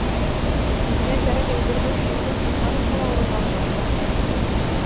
Үҙеңә кәрәк әйберҙе өйөңдән сыҡмайынса ла алырға була хәҙер.